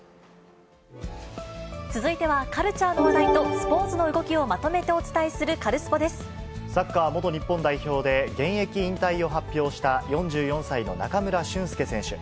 続いては、カルチャーの話題とスポーツの動きをまとめてお伝えする、カルスサッカー元日本代表で、現役引退を発表した４４歳の中村俊輔選手。